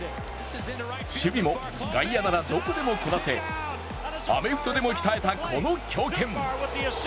守備も外野ならどこでもこなせ、アメフトでも鍛えたこの強肩。